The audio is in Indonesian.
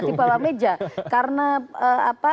nah di bawah meja